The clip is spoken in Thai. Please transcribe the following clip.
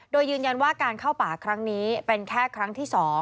โดยยืนยันว่าการเข้าป่าครั้งนี้เป็นแค่ครั้งที่๒